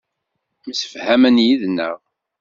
Msefhamen yid-neɣ.